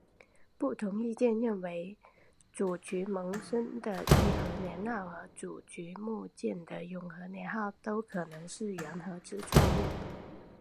不同意见认为沮渠蒙逊的义和年号和沮渠牧犍的永和年号都可能是缘禾之错误。